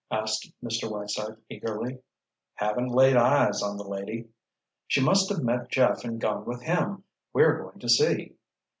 asked Mr. Whiteside eagerly. "Haven't laid eyes on the lady." "She must have met Jeff and gone with him. We're going to see."